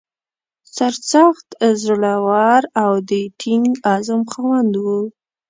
سرسخت، زړه ور او د ټینګ عزم خاوند و.